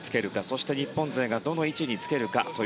そして日本勢がどの位置につけるか。